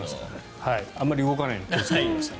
あまり動かないように気をつけてくださいね。